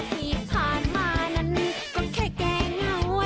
ที่ผ่านมานั้นก็แค่แก้เงา